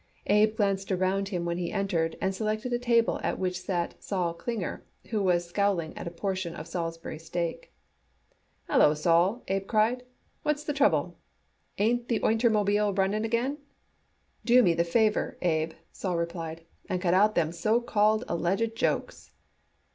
Abe glanced around him when he entered and selected a table at which sat Sol Klinger, who was scowling at a portion of Salisbury steak. "Hallo, Sol," Abe cried. "What's the trouble. Ain't the oitermobile running again?" "Do me the favor, Abe," Sol replied, "and cut out them so called alleged jokes."